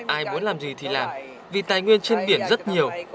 ai muốn làm gì thì làm vì tài nguyên trên biển rất nhiều